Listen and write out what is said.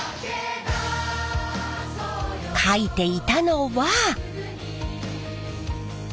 かいていたのは。